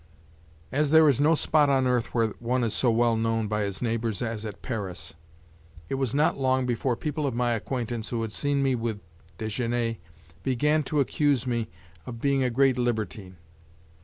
As there is no spot on earth where one is so well known by his neighbors as at Paris, it was not long before people of my acquaintance who had seen me with Desgenais began to accuse me of being a great libertine.